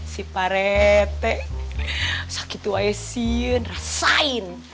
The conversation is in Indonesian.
si parepek sakit waisin rasain